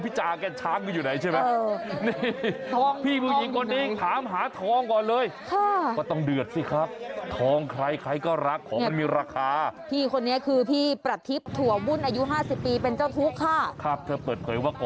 ้อีท้องต้องเดือดสิครับท้องใครใครก็รักของมันมีราคาพี่คนนี้คือพี่ประทิบถั่ววุ่นอายุ๕๐ปีเป็นเจ้าทุกข้า